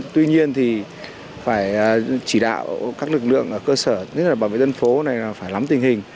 tuy nhiên thì phải chỉ đạo các lực lượng ở cơ sở nhất là bảo vệ dân phố này là phải lắm tình hình